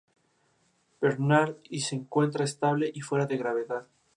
Bernard y se encuentra estable y fuera de gravedad.